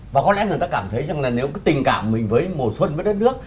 và có lẽ người ta cảm thấy rằng là nếu cái tình cảm mình với mùa xuân với đất nước